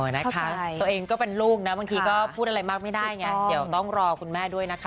นะคะตัวเองก็เป็นลูกนะบางทีก็พูดอะไรมากไม่ได้ไงเดี๋ยวต้องรอคุณแม่ด้วยนะคะ